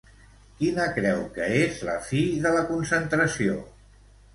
Quina creu que és la fi de la concentració?